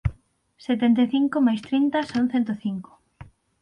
Setenta e cinco mais trinta son cento cinco.